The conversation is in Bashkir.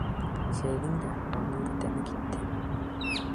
Сәйҙең дә, балдың да тәме китте.